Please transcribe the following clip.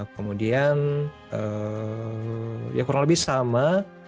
kemudian ya kurang lebih sama